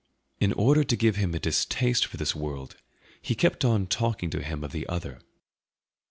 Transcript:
In order to give him a distaste for this world he kept on talking to him of the other.